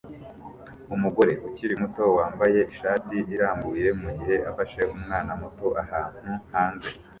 Umugore ukiri muto wambaye ishati irambuye mugihe afashe umwana muto ahantu hanze